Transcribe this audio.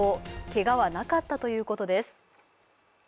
けがはなかったということです。